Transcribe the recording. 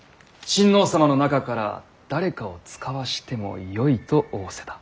親王様の中から誰かを遣わしてもよいと仰せだ。